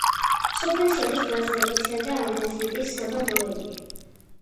სოფელში არის ბაზალტისა და ანდეზიტის საბადოები.